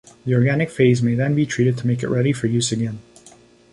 The organic phase may then be treated to make it ready for use again.